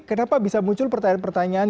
kenapa bisa muncul pertanyaan pertanyaan